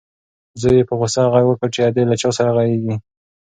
زوی یې په غوسه غږ وکړ چې ادې له چا سره غږېږې؟